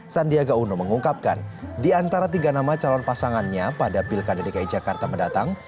sandiaga uno mengungkapkan di antara tiga nama calon pasangannya pada pilkada dki jakarta mendatang